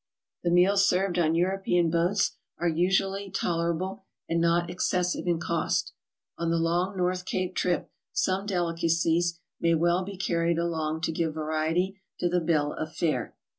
The meals served on Europbcan boats are usually toler able and not excessive in cost. On the long North Cape trip some delicacies may well be carried along to give variety to the bill of fare.